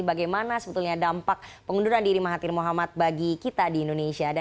bagaimana sebetulnya dampak pengunduran diri mahathir mohamad bagi kita di indonesia